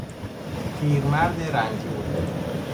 پیرمرد رنجور